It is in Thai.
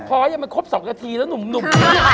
พอยังไม่ครบ๒นาทีแล้วหนุ่ม